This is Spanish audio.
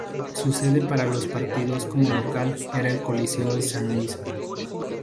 Su sede para los partidos como local era el Coliseo de San Luis.